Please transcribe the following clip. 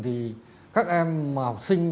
thì các em học sinh